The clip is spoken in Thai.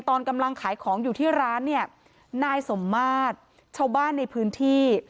ตอนกำลังขายของอยู่ที่ร้านเนี่ยนายสมมาตรชาวบ้านในพื้นที่